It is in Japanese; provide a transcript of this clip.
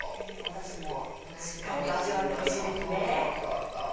だしもしっかりと味わってほしいですね。